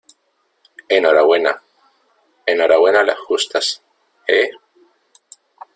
enhorabuena. enhorabuena las justas, ¿ eh? ,